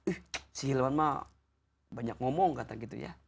ih si hewan mah banyak ngomong kata gitu ya